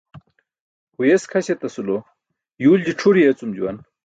Huyes kʰaś etasulo yuulji c̣ʰur yeecum juwan.